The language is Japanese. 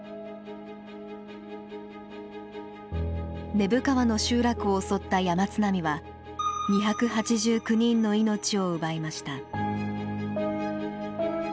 根府川の集落を襲った山津波は２８９人の命を奪いました。